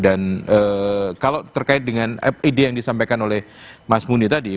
dan kalau terkait dengan idea yang disampaikan oleh mas muni tadi